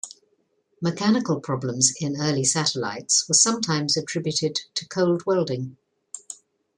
Mechanical problems in early satellites were sometimes attributed to cold welding.